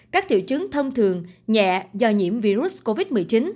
các triệu chứng thông thường nhẹ do nhiễm virus covid một mươi chín